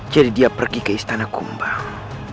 jadi dia pergi ke istana kumbang